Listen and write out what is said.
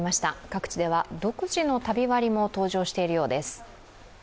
各地では、独自の旅割も登場しているようです。